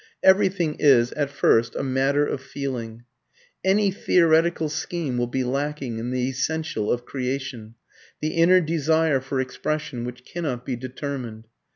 Everything is, at first, a matter of feeling. Any theoretical scheme will be lacking in the essential of creation the inner desire for expression which cannot be determined.